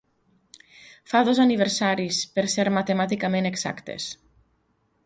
Fa dos aniversaris, per ser matemàticament exactes.